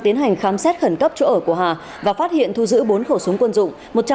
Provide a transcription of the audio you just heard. tiến hành khám xét khẩn cấp chỗ ở của hà và phát hiện thu giữ bốn khẩu súng quân dụng